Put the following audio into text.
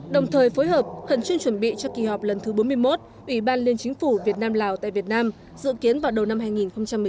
đồng thời phối hợp khẩn chuyên chuẩn bị cho kỳ họp lần thứ bốn mươi một ủy ban liên chính phủ việt nam lào tại việt nam dự kiến vào đầu năm hai nghìn một mươi chín